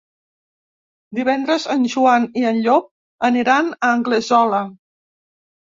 Divendres en Joan i en Llop aniran a Anglesola.